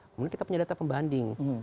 kemudian kita punya data pembanding